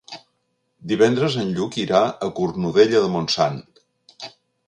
Divendres en Lluc irà a Cornudella de Montsant.